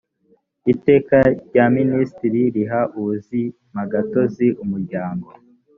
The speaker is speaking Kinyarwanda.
iteka rya minisitiri riha ubuzimagatozi umuryango